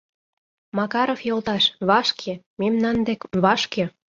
— Макаров йолташ, вашке... мемнан дек... вашке...